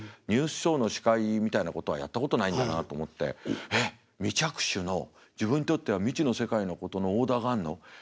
ニュースショーの司会みたいなことはやったことないんだなと思って「えっ未着手の自分にとっては未知の世界のことのオーダーがあるの？